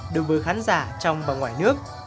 đối với khán giả trong và ngoài nước